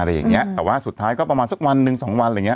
แต่ว่าสุดท้ายก็ประมาณสักวันหนึ่งสองวันอะไรอย่างนี้